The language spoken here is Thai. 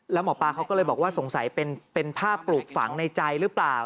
แล้วหมอปลาเขาก็เลยบอกว่าสงสัยเป็นภาพปลูกฝังในใจหรือเปล่า